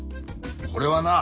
これはな